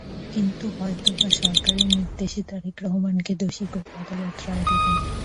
কিন্তু হয়তো-বা সরকারের নির্দেশে তারেক রহমানকে দোষী করে আদালত রায় দেবেন।